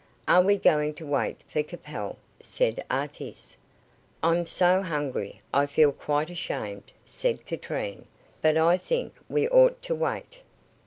"Are we going to wait for Capel?" said Artis. "I'm so hungry, I feel quite ashamed," said Katrine; "but I think we ought to wait."